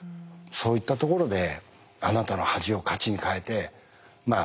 そういったところであなたの恥を価値に変えてまあ